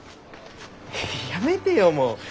やめてよもう。